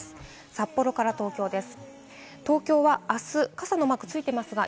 札幌から東京です。